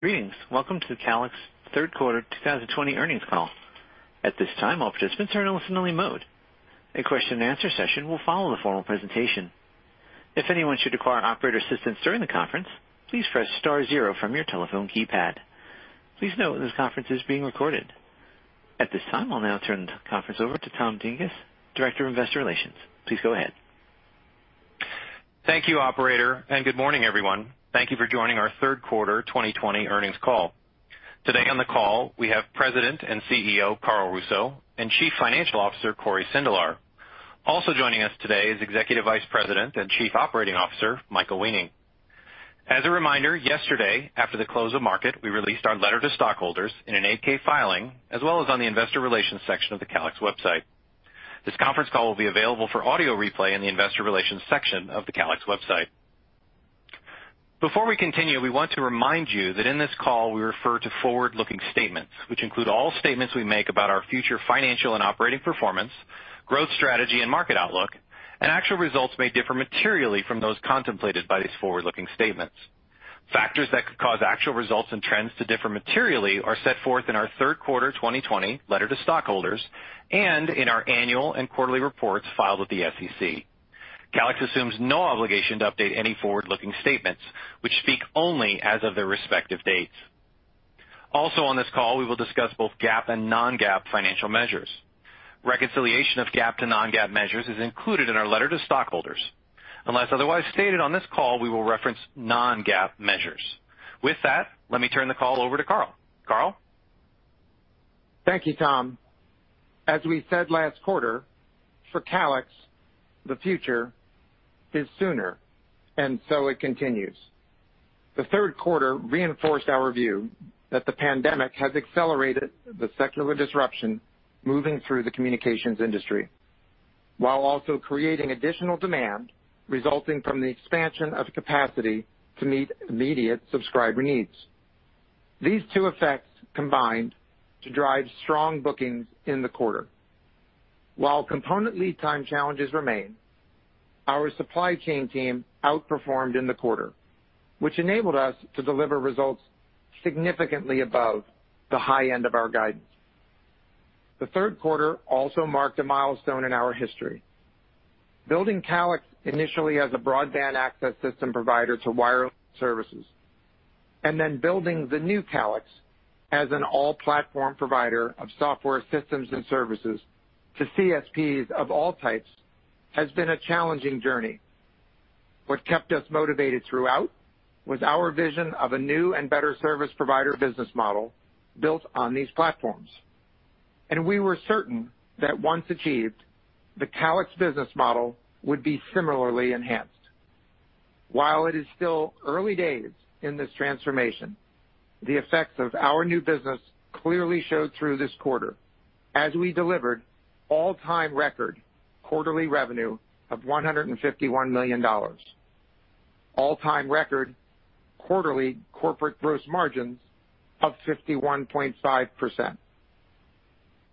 Greetings. Welcome to the Calix third quarter 2020 earnings call. At this time, all participants are in a listen-only mode. A question-and-answer session will follow the formal presentation. If anyone should require operator assistance during the conference, please press star zero from your telephone keypad. Please note this conference is being recorded. At this time, I'll now turn the conference over to Tom Dinges, Director of Investor Relations. Please go ahead. Thank you, operator, and good morning, everyone. Thank you for joining our third quarter 2020 earnings call. Today on the call, we have President and CEO, Carl Russo, and Chief Financial Officer, Cory Sindelar. Also joining us today is Executive Vice President and Chief Operating Officer, Michael Weening. As a reminder, yesterday, after the close of market, we released our letter to stockholders in an 8-K filing as well as on the investor relations section of the Calix website. This conference call will be available for audio replay in the investor relations section of the Calix website. Before we continue, we want to remind you that in this call, we refer to forward-looking statements, which include all statements we make about our future financial and operating performance, growth strategy and market outlook, and actual results may differ materially from those contemplated by these forward-looking statements. Factors that could cause actual results and trends to differ materially are set forth in our third quarter 2020 letter to stockholders and in our annual and quarterly reports filed with the SEC. Calix assumes no obligation to update any forward-looking statements which speak only as of their respective dates. Also, on this call, we will discuss both GAAP and non-GAAP financial measures. Reconciliation of GAAP to non-GAAP measures is included in our letter to stockholders. Unless otherwise stated, on this call, we will reference non-GAAP measures. With that, let me turn the call over to Carl. Carl? Thank you, Tom. As we said last quarter, for Calix, the future is sooner, and so it continues. The third quarter reinforced our view that the pandemic has accelerated the secular disruption moving through the communications industry while also creating additional demand resulting from the expansion of capacity to meet immediate subscriber needs. These two effects combined to drive strong bookings in the quarter. While component lead time challenges remain, our supply chain team outperformed in the quarter, which enabled us to deliver results significantly above the high end of our guidance. The third quarter also marked a milestone in our history. Building Calix initially as a broadband access system provider to wireless services and then building the new Calix as an all-platform provider of software systems and services to CSPs of all types has been a challenging journey. What kept us motivated throughout was our vision of a new and better service provider business model built on these platforms. We were certain that once achieved, the Calix business model would be similarly enhanced. While it is still early days in this transformation, the effects of our new business clearly showed through this quarter as we delivered all-time record quarterly revenue of $151 million, all-time record quarterly corporate gross margins of 51.5%,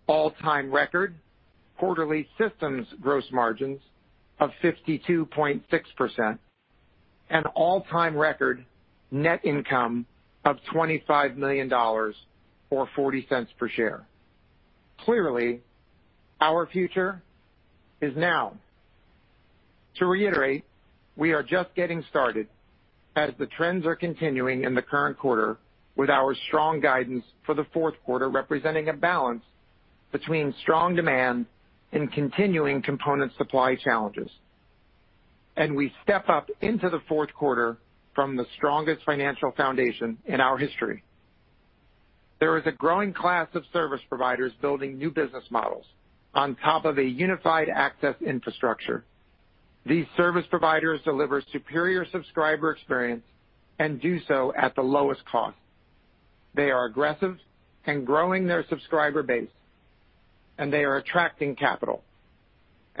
all-time record quarterly systems gross margins of 52.6%, and all-time record net income of $25 million or $0.40 per share. Clearly, our future is now. To reiterate, we are just getting started as the trends are continuing in the current quarter with our strong guidance for the fourth quarter representing a balance between strong demand and continuing component supply challenges. We step up into the fourth quarter from the strongest financial foundation in our history. There is a growing class of service providers building new business models on top of a unified access infrastructure. These service providers deliver superior subscriber experience and do so at the lowest cost. They are aggressive and growing their subscriber base, and they are attracting capital.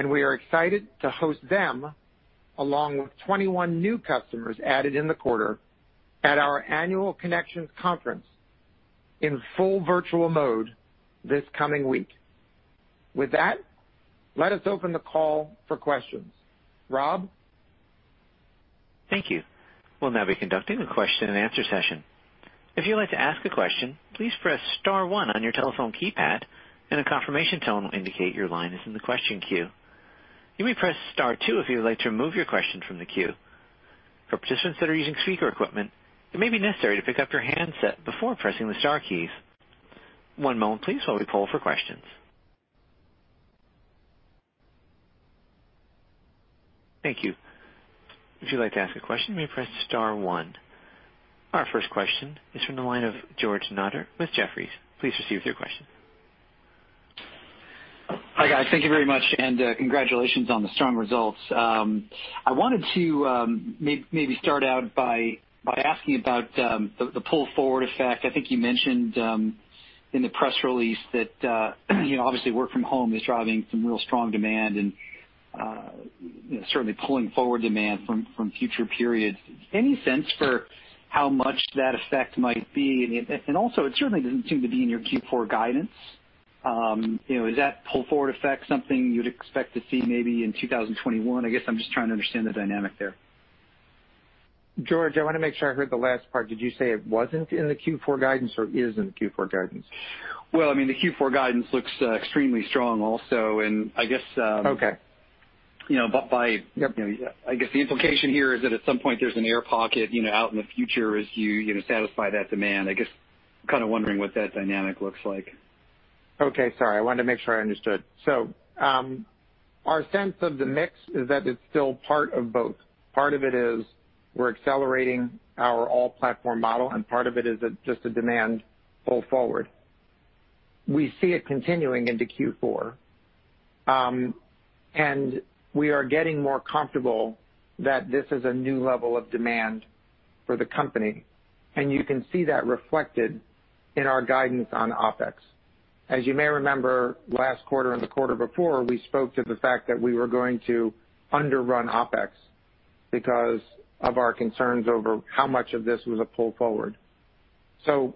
We are excited to host them, along with 21 new customers added in the quarter, at our annual ConneXions conference in full virtual mode this coming week. With that, let us open the call for questions. Rob? Thank you. We'll now be conducting a question-and-answer session. If you'd like to ask a question, please press star one on your telephone keypad and a confirmation tone will indicate your line is in the question queue. You may press star two if you would like to remove your question from the queue. For participants that are using speaker equipment, it may be necessary to pick up your handset before pressing the star keys. One moment, please, while we poll for questions. Thank you. If you'd like to ask a question, you may press star one. Our first question is from the line of George Notter with Jefferies. Please proceed with your question. Hi, guys. Thank you very much. Congratulations on the strong results. I wanted to maybe start out by asking about the pull-forward effect. I think you mentioned in the press release that obviously work from home is driving some real strong demand and certainly pulling forward demand from future periods. Any sense for how much that effect might be? Also, it certainly doesn't seem to be in your Q4 guidance. Is that pull-forward effect something you'd expect to see maybe in 2021? I guess I'm just trying to understand the dynamic there. George, I want to make sure I heard the last part. Did you say it wasn't in the Q4 guidance or is in the Q4 guidance? Well, the Q4 guidance looks extremely strong also. Okay. I guess the implication here is that at some point there's an air pocket out in the future as you satisfy that demand. I guess I'm kind of wondering what that dynamic looks like. Okay. Sorry. I wanted to make sure I understood. Our sense of the mix is that it's still part of both. Part of it is we're accelerating our all-platform model, and part of it is just a demand pull-forward. We see it continuing into Q4. We are getting more comfortable that this is a new level of demand for the company, and you can see that reflected in our guidance on OpEx. As you may remember, last quarter and the quarter before, we spoke to the fact that we were going to underrun OpEx because of our concerns over how much of this was a pull-forward.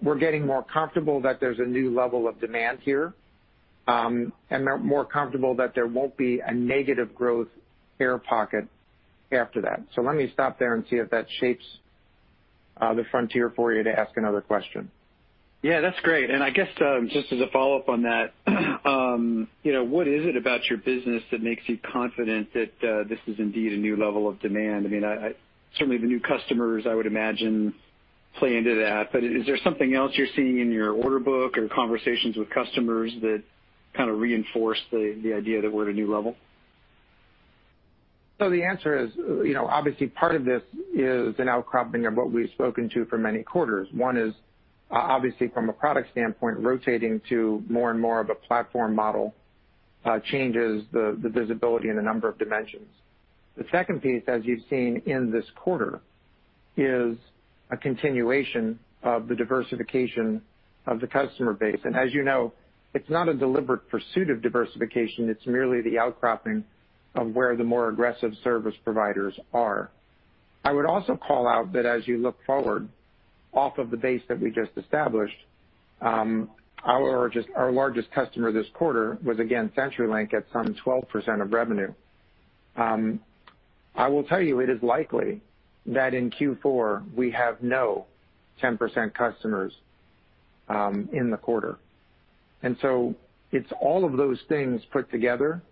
We're getting more comfortable that there's a new level of demand here, and more comfortable that there won't be a negative growth air pocket after that. Let me stop there and see if that shapes the frontier for you to ask another question. Yeah, that's great. I guess, just as a follow-up on that, what is it about your business that makes you confident that this is indeed a new level of demand? Certainly, the new customers, I would imagine, play into that, but is there something else you're seeing in your order book or conversations with customers that kind of reinforce the idea that we're at a new level? The answer is, obviously part of this is an outcropping of what we've spoken to for many quarters. One is, obviously, from a product standpoint, rotating to more and more of a platform model changes the visibility in a number of dimensions. The second piece, as you've seen in this quarter, is a continuation of the diversification of the customer base. As you know, it's not a deliberate pursuit of diversification, it's merely the outcropping of where the more aggressive service providers are. I would also call out that as you look forward, off of the base that we just established, our largest customer this quarter was again CenturyLink at some 12% of revenue. I will tell you it is likely that in Q4 we have no 10% customers in the quarter. It's all of those things put together,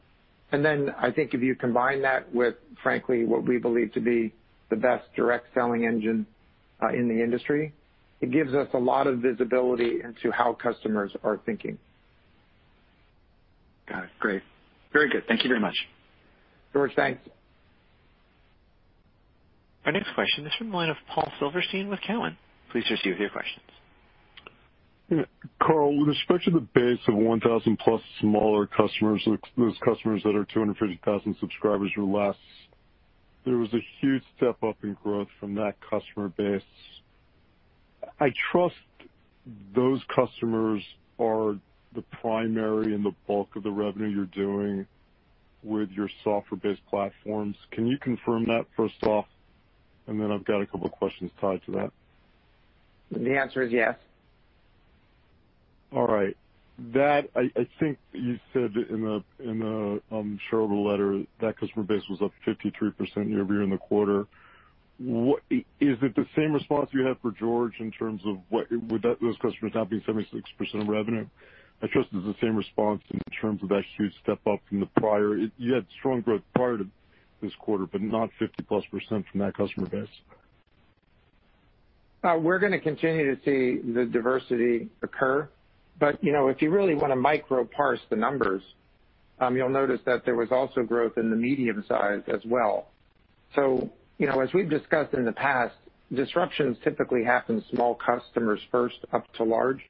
and then I think if you combine that with, frankly, what we believe to be the best direct selling engine in the industry, it gives us a lot of visibility into how customers are thinking. Got it. Great. Very good. Thank you very much. George, thanks. Our next question is from the line of Paul Silverstein with Cowen. Please proceed with your questions. Carl, with respect to the base of 1,000+ smaller customers, those customers that are 250,000 subscribers or less, there was a huge step-up in growth from that customer base. I trust those customers are the primary and the bulk of the revenue you're doing with your software-based platforms. Can you confirm that, first off? I've got a couple of questions tied to that. The answer is yes. Alright. That, I think you said in the shareholder letter that customer base was up 53% year-over-year in the quarter. Is it the same response you had for George in terms of with those customers now being 76% of revenue? I trust it's the same response in terms of that huge step-up from the prior. You had strong growth prior to this quarter, but not 50%+ from that customer base. We're going to continue to see the diversity occur. If you really want to microparse the numbers, you'll notice that there was also growth in the medium size as well. As we've discussed in the past, disruptions typically happen to small customers first up to large.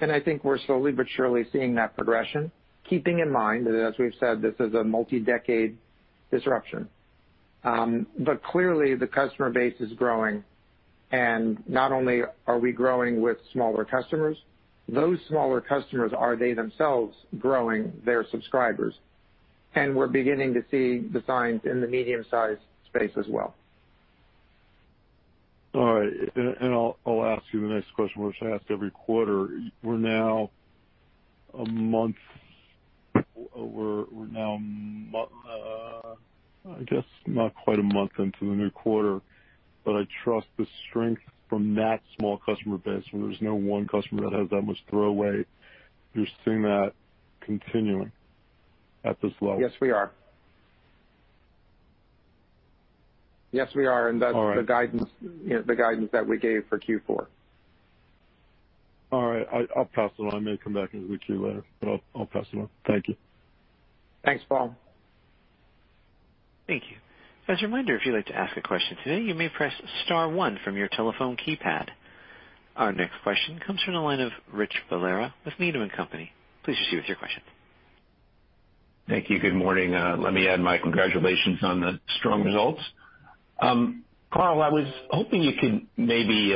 I think we're slowly but surely seeing that progression. Keeping in mind that, as we've said, this is a multi-decade disruption. Clearly the customer base is growing, and not only are we growing with smaller customers, those smaller customers are they themselves growing their subscribers. We're beginning to see the signs in the medium-sized space as well. Alright. I'll ask you the next question, which I ask every quarter. We're now, I guess, not quite a month into the new quarter, but I trust the strength from that small customer base where there's no one customer that has that much throw weight, you're seeing that continuing at this level. Yes, we are. Yes, we are, and that's the guidance that we gave for Q4. All right. I'll pass it on. I may come back as we queue later, but I'll pass it on. Thank you. Thanks, Paul. Thank you. As a reminder, if you would like to ask a question today, you may press star one from your telephone keypad. Our next question comes from the line of Rich Valera with Needham & Company. Please proceed with your question. Thank you. Good morning. Let me add my congratulations on the strong results. Carl, I was hoping you could maybe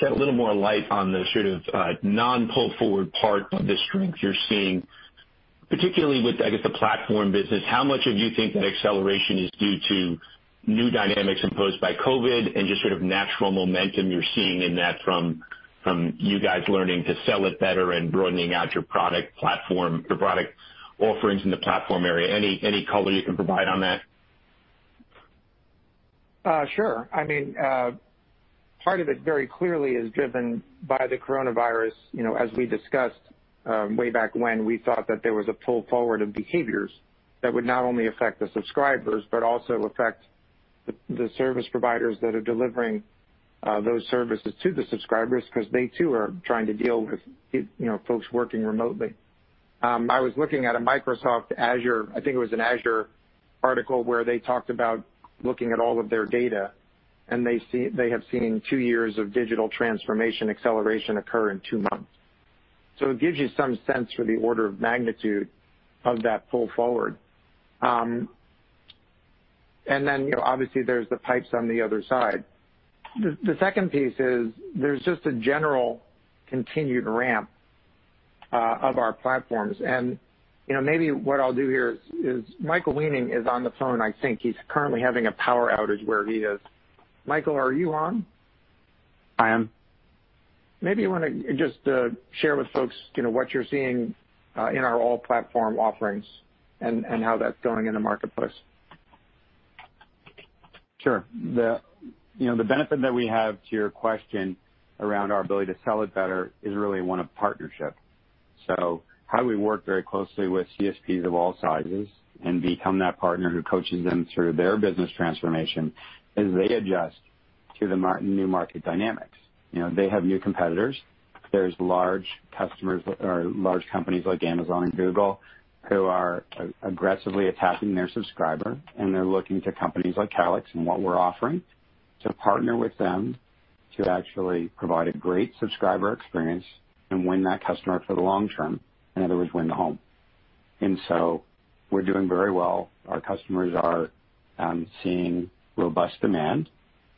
shed a little more light on the sort of non-pull-forward part of the strength you're seeing. Particularly with, I guess, the platform business, how much of you think that acceleration is due to new dynamics imposed by COVID and just sort of natural momentum you're seeing in that from you guys learning to sell it better and broadening out your product offerings in the platform area? Any color you can provide on that? Sure. Part of it very clearly is driven by the coronavirus. As we discussed, way back when, we thought that there was a pull-forward of behaviors that would not only affect the subscribers but also affect the service providers that are delivering those services to the subscribers, because they too are trying to deal with folks working remotely. I was looking at a Microsoft Azure, I think it was an Azure article, where they talked about looking at all of their data, and they have seen two years of digital transformation acceleration occur in two months. It gives you some sense for the order of magnitude of that pull-forward. Obviously there's the pipes on the other side. The second piece is there's just a general continued ramp of our platforms. Maybe what I'll do here is, Michael Weening is on the phone, I think. He's currently having a power outage where he is. Michael, are you on? I am. Maybe you want to just share with folks, what you're seeing in our all-platform offerings and how that's going in the marketplace. Sure. The benefit that we have to your question around our ability to sell it better is really one of partnership. How we work very closely with CSPs of all sizes and become that partner who coaches them through their business transformation as they adjust to the new market dynamics. They have new competitors. There's large companies like Amazon and Google who are aggressively attacking their subscriber, and they're looking to companies like Calix and what we're offering to partner with them to actually provide a great subscriber experience and win that customer for the long term. In other words, win the home. We're doing very well. Our customers are seeing robust demand,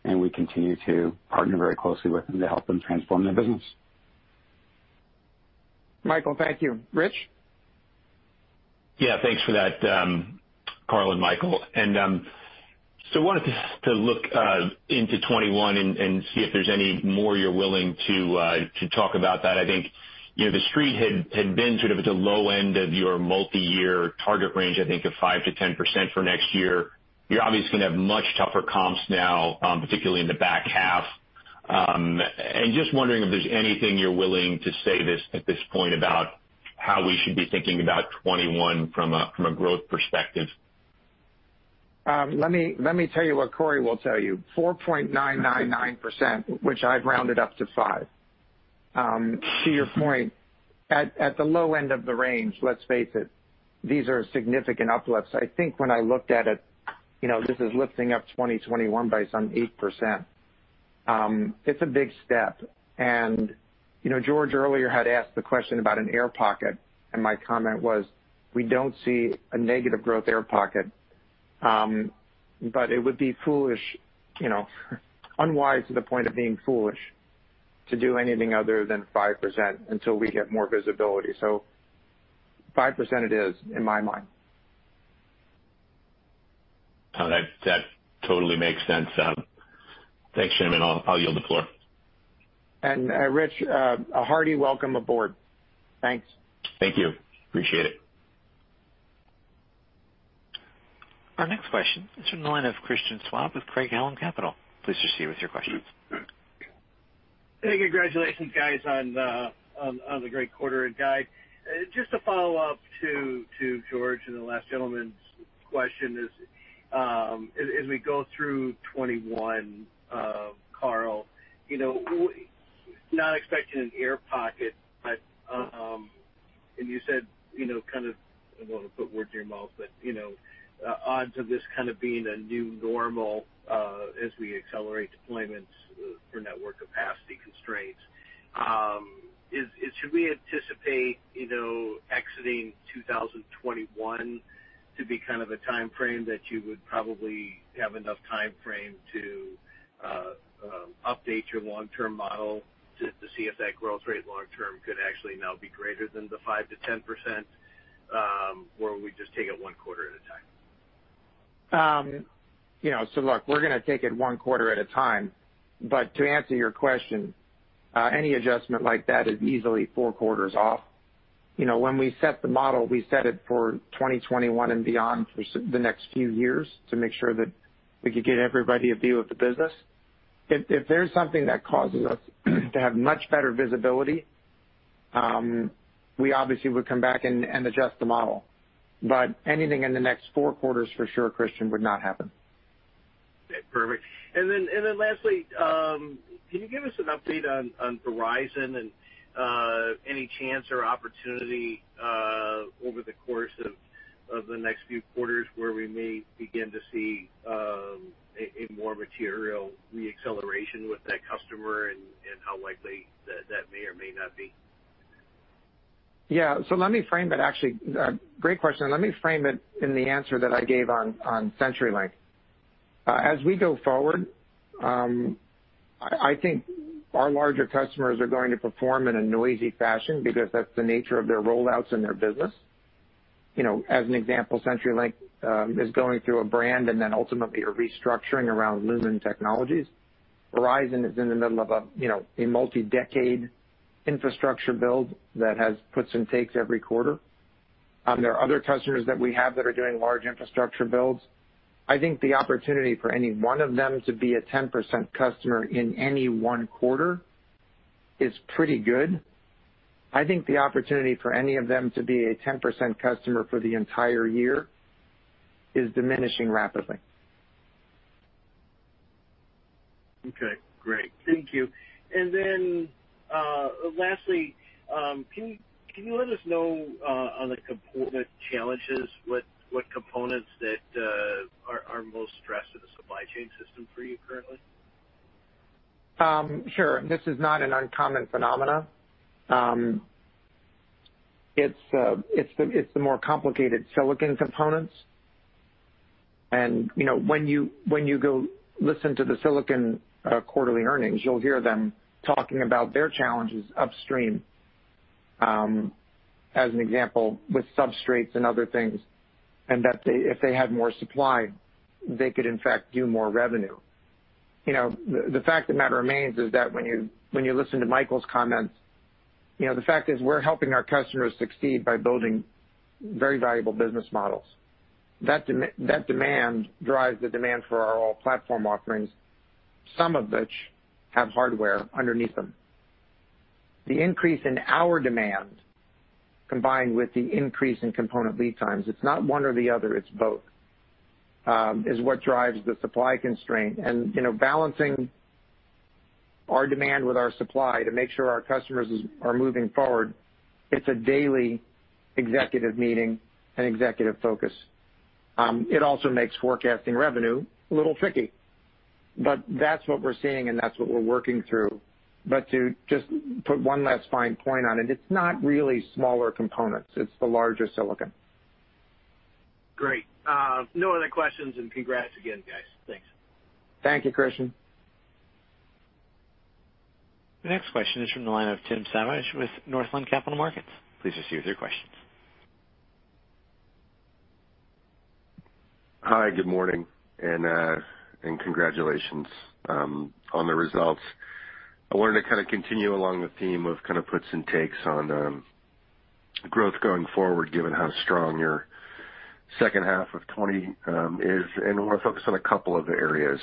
and we continue to partner very closely with them to help them transform their business. Michael, thank you. Rich? Yeah, thanks for that, Carl and Michael. I wanted to look into 2021 and see if there's any more you're willing to talk about that. I think, the street had been sort of at the low end of your multi-year target range, I think of 5%-10% for next year. You're obviously going to have much tougher comps now, particularly in the back half. Just wondering if there's anything you're willing to say at this point about how we should be thinking about 2021 from a growth perspective. Let me tell you what Cory will tell you, 4.999%, which I've rounded up to 5%. To your point, at the low end of the range, let's face it, these are significant uplifts. I think when I looked at it, this is lifting up 2021 by some 8%. It's a big step, and George earlier had asked the question about an air pocket, and my comment was, we don't see a negative growth air pocket. It would be unwise to the point of being foolish to do anything other than 5% until we get more visibility. So 5% it is, in my mind. That totally makes sense. Thanks, gentlemen. I'll yield the floor. Rich, a hearty welcome aboard. Thanks. Thank you. Appreciate it. Our next question is from the line of Christian Schwab with Craig-Hallum Capital. Please proceed with your question. Hey, congratulations, guys, on the great quarter guide. Just to follow up to George and the last gentleman's question is, as we go through 2021, Carl, not expecting an air pocket, and you said, I don't want to put words in your mouth, but odds of this kind of being a new normal, as we accelerate deployments for network capacity constraints. Should we anticipate exiting 2021 to be kind of a timeframe that you would probably have enough timeframe to update your long-term model to see if that growth rate long-term could actually now be greater than the 5%-10%? We just take it one quarter at a time? Look, we're going to take it one quarter at a time. To answer your question, any adjustment like that is easily four quarters off. When we set the model, we set it for 2021 and beyond for the next few years to make sure that we could get everybody a view of the business. If there's something that causes us to have much better visibility, we obviously would come back and adjust the model. Anything in the next four quarters for sure, Christian, would not happen. Perfect. Lastly, can you give us an update on Verizon and any chance or opportunity over the course of the next few quarters where we may begin to see a more material re-acceleration with that customer and how likely that may or may not be? Yeah. Great question. Let me frame it in the answer that I gave on CenturyLink. As we go forward, I think our larger customers are going to perform in a noisy fashion because that's the nature of their rollouts and their business. As an example, CenturyLink is going through a brand and then ultimately a restructuring around Lumen Technologies. Verizon is in the middle of a multi-decade infrastructure build that has puts and takes every quarter. There are other customers that we have that are doing large infrastructure builds. I think the opportunity for any one of them to be a 10% customer in any one quarter is pretty good. I think the opportunity for any of them to be a 10% customer for the entire year is diminishing rapidly. Okay, great. Thank you. Then, lastly, can you let us know on the component challenges, what components that are most stressed in the supply chain system for you currently? Sure. This is not an uncommon phenomenon. It's the more complicated silicon components. When you go listen to the silicon quarterly earnings, you'll hear them talking about their challenges upstream, as an example, with substrates and other things, that if they had more supply, they could in fact do more revenue. The fact of the matter remains is that when you listen to Michael's comments, the fact is we're helping our customers succeed by building very valuable business models. That demand drives the demand for our all-platform offerings, some of which have hardware underneath them. The increase in our demand, combined with the increase in component lead times, it's not one or the other, it's both, is what drives the supply constraint. Balancing our demand with our supply to make sure our customers are moving forward, it's a daily executive meeting and executive focus. It also makes forecasting revenue a little tricky. That's what we're seeing, and that's what we're working through. To just put one last fine point on it's not really smaller components. It's the larger silicon. Great. No other questions, and congrats again, guys. Thanks. Thank you, Christian. The next question is from the line of Tim Savageaux with Northland Capital Markets. Please proceed with your questions. Hi, good morning, and congratulations on the results. I wanted to kind of continue along the theme of kind of puts and takes on growth going forward, given how strong your second half of 2020 is, I want to focus on a couple of areas.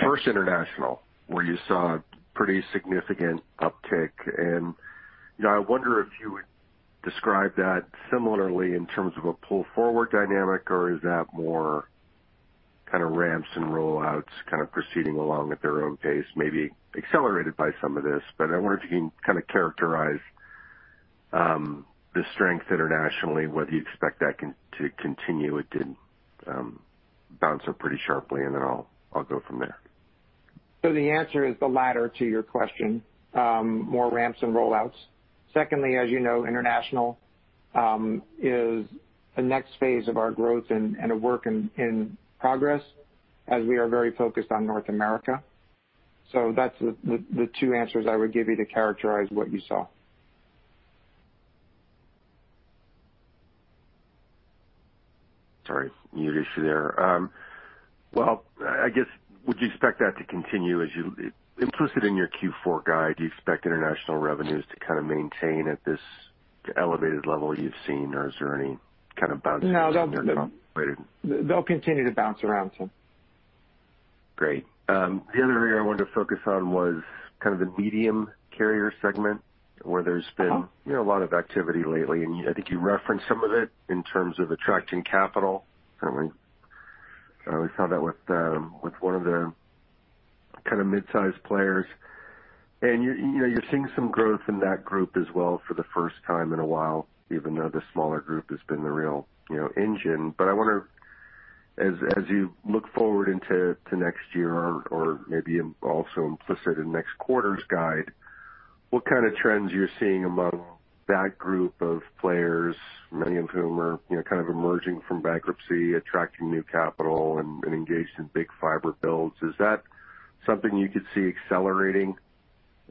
First, international, where you saw a pretty significant uptick. I wonder if you would describe that similarly in terms of a pull-forward dynamic, or is that more kind of ramps and rollouts kind of proceeding along at their own pace, maybe accelerated by some of this. I wonder if you can kind of characterize the strength internationally and whether you expect that to continue. It did bounce up pretty sharply, I'll go from there. The answer is the latter to your question, more ramps and rollouts. Secondly, as you know, international is the next phase of our growth and a work in progress, as we are very focused on North America. That's the two answers I would give you to characterize what you saw. Sorry, mute issue there. Well, I guess, would you expect that to continue implicit in your Q4 guide, do you expect international revenues to kind of maintain at this elevated level you've seen, or is there any kind of? No. In the near term? They'll continue to bounce around some. Great. The other area I wanted to focus on was kind of the medium carrier segment, where there's been a lot of activity lately, and I think you referenced some of it in terms of attracting capital. Certainly, we saw that with one of the kind of mid-size players. You're seeing some growth in that group as well for the first time in a while, even though the smaller group has been the real engine. I wonder, as you look forward into next year or maybe also implicit in next quarter's guide, what kind of trends you're seeing among that group of players, many of whom are kind of emerging from bankruptcy, attracting new capital, and engaged in big fiber builds. Is that something you could see accelerating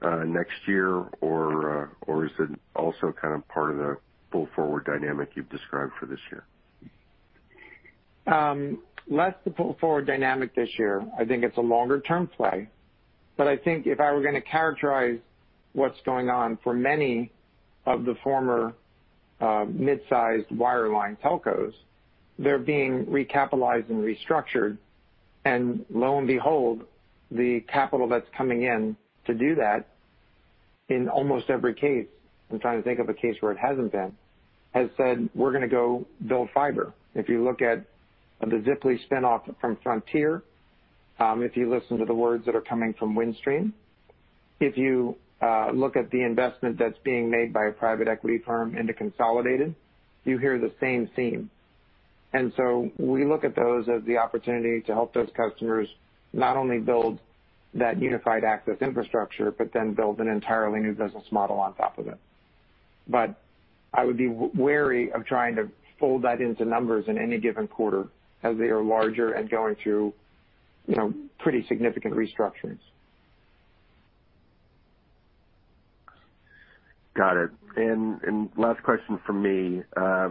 next year, or is it also kind of part of the pull-forward dynamic you've described for this year? Less the pull-forward dynamic this year. I think it's a longer-term play. I think if I were going to characterize what's going on for many of the former mid-sized wireline telcos, they're being recapitalized and restructured. Lo and behold, the capital that's coming in to do that, in almost every case, I'm trying to think of a case where it hasn't been, has said, "We're going to go build fiber." If you look at the Ziply spinoff from Frontier, if you listen to the words that are coming from Windstream, if you look at the investment that's being made by a private equity firm into Consolidated, you hear the same theme. We look at those as the opportunity to help those customers not only build that unified access infrastructure, but then build an entirely new business model on top of it. I would be wary of trying to fold that into numbers in any given quarter as they are larger and going through pretty significant restructurings. Got it. Last question from me. I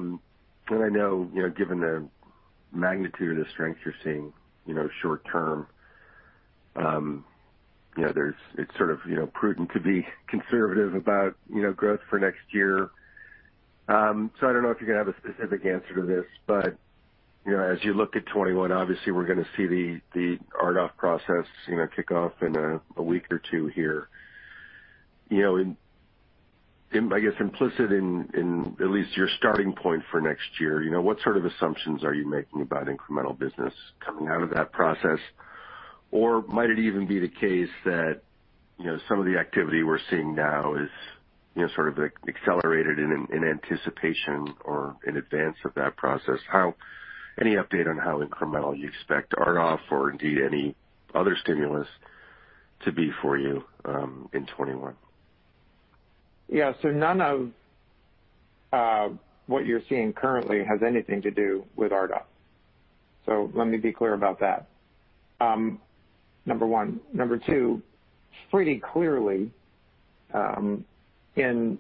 know, given the magnitude of the strength you're seeing short term, it's sort of prudent to be conservative about growth for next year. I don't know if you're going to have a specific answer to this, but as you look at 2021, obviously, we're going to see the RDOF process kick off in a week or two here. I guess implicit in at least your starting point for next year, what sort of assumptions are you making about incremental business coming out of that process? Might it even be the case that some of the activity we're seeing now is sort of accelerated in anticipation or in advance of that process? Any update on how incremental you expect RDOF or indeed any other stimulus to be for you in 2021? Yeah. None of what you're seeing currently has anything to do with RDOF. Let me be clear about that, number one. Number two, pretty clearly, in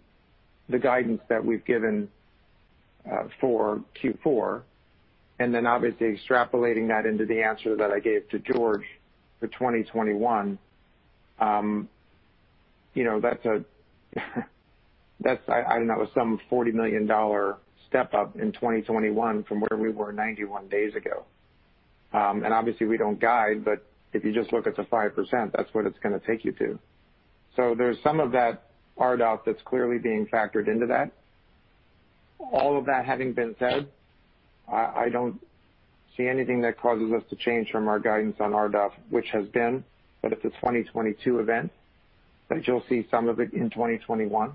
the guidance that we've given for Q4, then obviously extrapolating that into the answer that I gave to George for 2021, I don't know, some $40 million step-up in 2021 from where we were 91 days ago. Obviously we don't guide, but if you just look at the 5%, that's what it's going to take you to. There's some of that RDOF that's clearly being factored into that. All of that having been said, I don't see anything that causes us to change from our guidance on RDOF, which has been that it's a 2022 event, but you'll see some of it in 2021.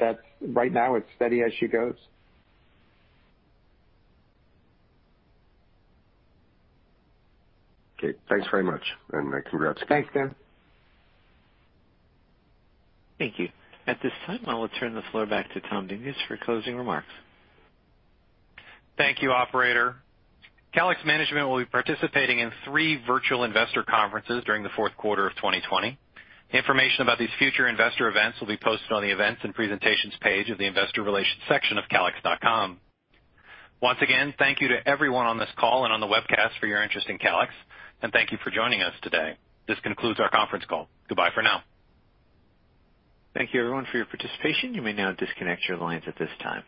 That right now it's steady as she goes. Okay, thanks very much, and congrats. Thanks, Tim. Thank you. At this time, I will turn the floor back to Tom Dinges for closing remarks. Thank you, operator. Calix management will be participating in three virtual investor conferences during the fourth quarter of 2020. Information about these future investor events will be posted on the Events and Presentations page of the investor relations section of calix.com. Once again, thank you to everyone on this call and on the webcast for your interest in Calix, and thank you for joining us today. This concludes our conference call. Goodbye for now. Thank you everyone for your participation. You may now disconnect your lines at this time.